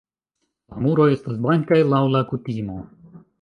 La muroj estas blankaj laŭ la kutimo.